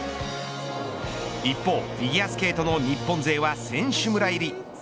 一方、フィギュアスケートの日本勢は選手村入り。